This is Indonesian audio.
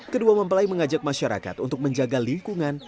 kedua mempelai mengajak masyarakat untuk menjaga lingkungan